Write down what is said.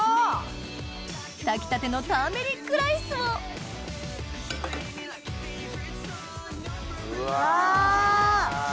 炊きたてのターメリックライスをうわいい！